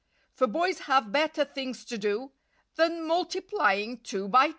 For boys have better things to do Than multiplying two by two!